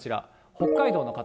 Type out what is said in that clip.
北海道の方。